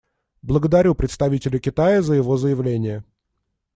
Благодарю представителя Китая за его заявление.